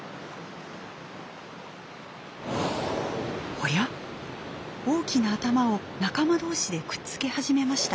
おや大きな頭を仲間同士でくっつけ始めました。